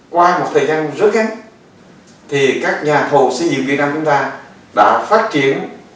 qua một thời gian rất gắn thì các nhà thầu xây dựng việt nam chúng ta đã phát triển